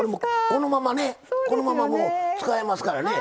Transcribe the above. このままもう使えますからね。